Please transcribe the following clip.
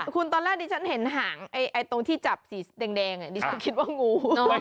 คุณตอนแรกดิฉันเห็นหางตรงที่จับสีแดงดิฉันคิดว่างูน้อย